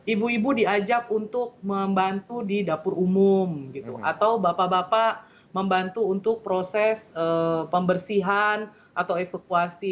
ibu ibu diajak untuk membantu di dapur umum gitu atau bapak bapak membantu untuk proses pembersihan atau evakuasi